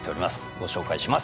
ご紹介します